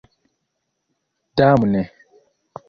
damne